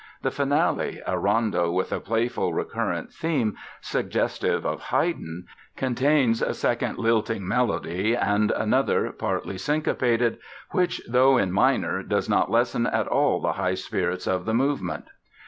The Finale, a rondo with a playful recurrent theme suggestive of Haydn, contains a second lilting melody and another, partly syncopated, which, though in minor, does not lessen at all the high spirits of the movement.